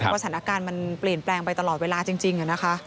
สถานการณ์มันเปลี่ยนแปลงไปตลอดเวลาจริงนะคะ